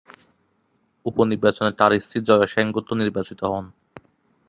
উপ-নির্বাচনে তার স্ত্রী জয়া সেনগুপ্ত নির্বাচিত হন।